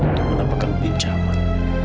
untuk menambahkan pinjaman